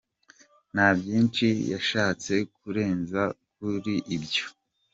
Nta byinshi yashatse kurenza kuri ibyo.